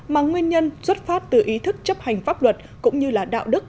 mà nguyên nhân xuất phát từ ý thức chấp hành pháp luật cũng như là đạo đức